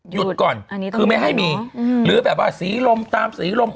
หยุดอันนี้ทั้งหมดเนอะคือไม่ให้มีหรือแบบว่าสีลมตามสีลม